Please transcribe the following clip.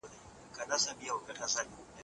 هغه د باطل پر وړاندې په زړورتيا درېدلی دی.